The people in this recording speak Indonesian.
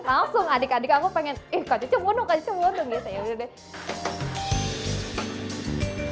langsung adik adik aku pengen eh kacau kacau bodo kacau kacau bodo